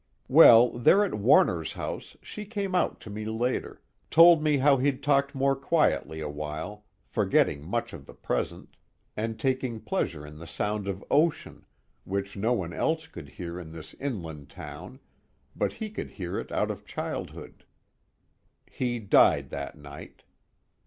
Well, there at Warner's house she came out to me later, told me how he'd talked more quietly a while, forgetting much of the present, and taking pleasure in the sound of ocean, which no one else would hear in this inland town, but he could hear it out of childhood. He died that night.